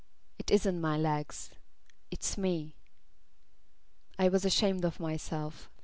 It isn't my legs. Its ME. I was ashamed of myself.